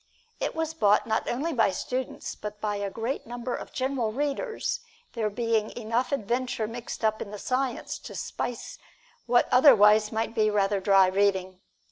It was bought, not only by students, but by a great number of general readers, there being enough adventure mixed up in the science to spice what otherwise might be rather dry reading.